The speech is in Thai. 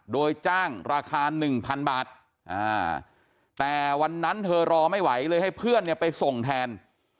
โดยจ้างราคา๑๐๐๐บาทแต่วันนั้นเธอรอไม่ไหวเลยให้เพื่อนเนี่ยไปส่งแทน